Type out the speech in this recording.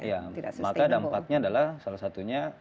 ya maka dampaknya adalah salah satunya